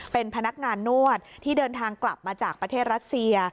เป็นพนักงานนวดที่เดินทางกลับมาจากประเทศรัสเซีย